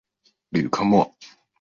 吕克莫。